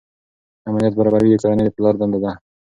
امنیت برابروي د کورنۍ د پلار دنده ده.